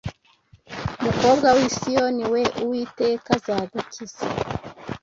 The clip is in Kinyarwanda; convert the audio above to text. Mukobwa w’i Siyoni we Uwiteka azagukiza